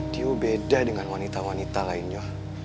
tiu beda dengan wanita wanita lainnya